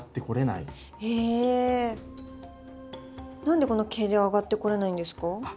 何でこの毛で上がってこれないんですか？